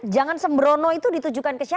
jangan sembrono itu ditujukan keseluruhan